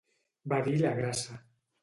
Va dir la grassa.